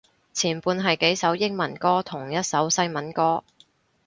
前半係幾首英文歌同一首西文歌